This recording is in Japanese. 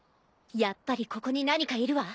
やっぱりここに何かいるわ。